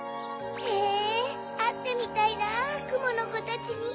へぇあってみたいなくものコたちに。